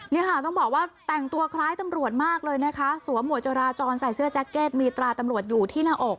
นี่ค่ะต้องบอกว่าแต่งตัวคล้ายตำรวจมากเลยนะคะสวมหวดจราจรใส่เสื้อแจ็คเก็ตมีตราตำรวจอยู่ที่หน้าอก